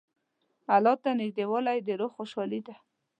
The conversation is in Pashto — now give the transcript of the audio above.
الله ته نېږدېوالی د روح خوشحالي ده.